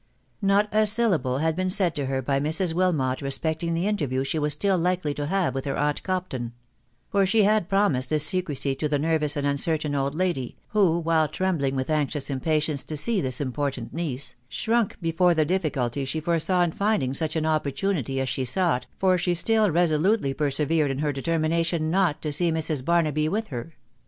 Not a syllable had been said to her by Mrs. Wilmot respect ing the interview she was still likely to have with her aunt Compton ; for she had promised this secrecy to the nervous and uncertain old lady, who, while trembling with anxious impatience to see this important niece, shrunk before the diffi culties she foresaw in finding such an opportunity as she sought, for she still resolutely persevered in her determination not to see Mrs. Barnaby with her